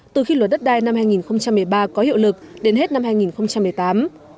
từ khi luật đất đai năm hai nghìn một mươi ba có hiệu lực đến hết năm hai nghìn một mươi tám